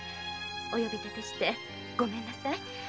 お呼びだてしてごめんなさい。